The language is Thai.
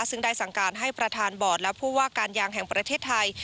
ซึ่งได้สั่งการให้ประธานบอร์ดและผู้ว่าการยางแห่งประเทศไทย